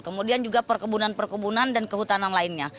kemudian juga perkebunan perkebunan dan kehutanan lainnya